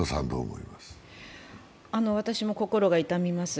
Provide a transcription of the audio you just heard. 私も心が痛みます。